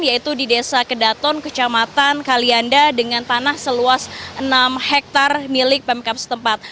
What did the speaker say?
yaitu di desa kedaton kecamatan kalianda dengan tanah seluas enam hektare milik pemkap setempat